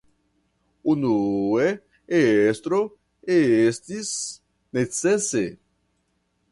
Unue estro, estis necese.